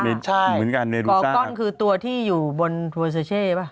กอกก้อนคือตัวที่อยู่บนถัวเซเช่ปะ